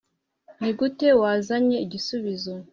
Nigute wazanye igisubizo